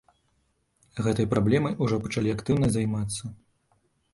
Гэтай праблемай ужо пачалі актыўна займацца.